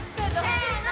せの！